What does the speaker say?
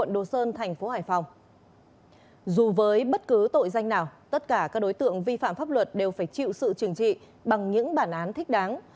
dù với bất cứ tội danh nào tất cả các đối tượng vi phạm pháp luật đều phải chịu sự trừng trị bằng những bản án thích đáng